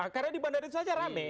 karena di bandara itu saja rame